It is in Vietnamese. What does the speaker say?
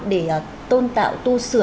để tôn tạo tu sửa